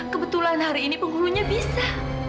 kebetulan hari ini penghulunya bisa